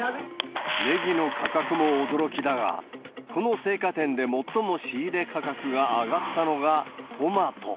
ネギの価格も驚きだが、この青果店で最も仕入れ価格が上がったのが、トマト。